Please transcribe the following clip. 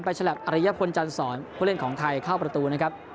ฉลับอริยพลจันสอนผู้เล่นของไทยเข้าประตูนะครับ